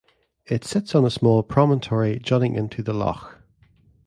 It sits on a small promontory jutting into the loch.